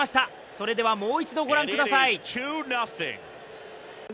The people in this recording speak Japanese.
それでは、もう一度御覧ください。